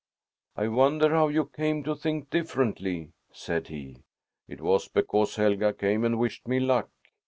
"I wonder how you came to think differently?" said he. "It was because Helga came and wished me luck.